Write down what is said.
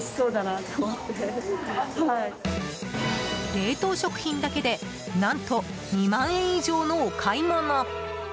冷凍食品だけで何と２万円以上のお買い物。